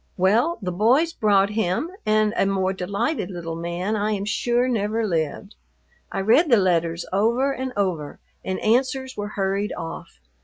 Well, the boys brought him, and a more delighted little man I am sure never lived. I read the letters over and over, and answers were hurried off.